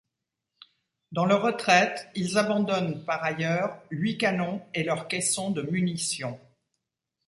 Dans leur retraite, ils abandonnent par ailleurs huit canons et leurs caissons de munitions.